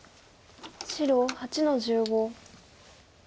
白８の十五。